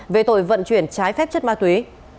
về tội vận chuyển trái phép chất ma túy